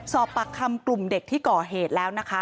สอบปากคำกลุ่มเด็กที่ก่อเหตุแล้วนะคะ